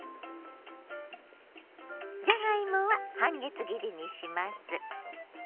じゃがいもは半月切りにします。